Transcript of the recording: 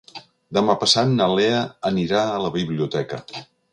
Demà passat na Lea anirà a la biblioteca.